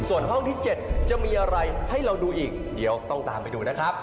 ส่วนห้องที่๗จะมีอะไรให้เราดูอีกเดี๋ยวต้องตามไปดูนะครับ